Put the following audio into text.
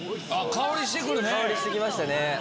香りして来ましたね。